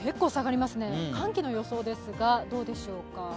寒気の予想ですがどうでしょうか。